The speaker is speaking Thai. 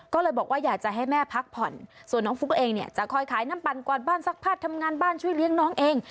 ก็เลยบอกว่าอยากจะให้แม่พักผ่อนส่วนน้องฟุ๊กเองเนี่ยจะคอยขายน้ำปั่นกวาดบ้านซักผ้าทำงานบ้านช่วยเลี้ยงน้องเอง